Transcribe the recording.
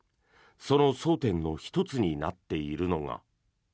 その争点の１つになっているのが。